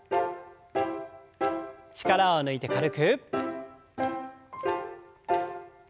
力を抜いて軽く。